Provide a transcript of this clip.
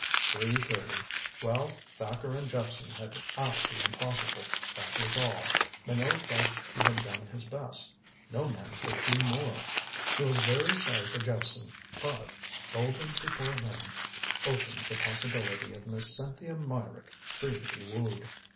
Three thirty! Well, Thacker and Jephson had asked the impossible, that was all. Minot felt he had done his best. No man could do more. He was very sorry for Jephson, but golden before him opened the possibility of Miss Cynthia Meyrick free to be wooed.